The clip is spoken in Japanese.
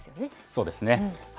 そうですね。